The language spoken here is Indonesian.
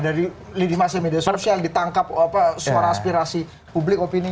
dari lidi media sosial ditangkap suara aspirasi publik opini